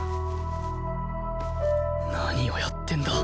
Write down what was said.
何をやってんだ